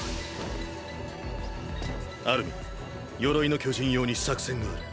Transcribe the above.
アルミン鎧の巨人用に作戦がある。